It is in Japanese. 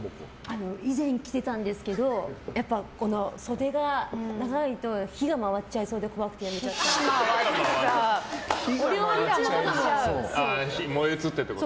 以前、着ていたんですけど袖が長いと火が回っちゃいそうで怖くて燃え移ってってこと？